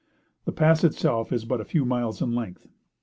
The pass itself is but a few miles in length.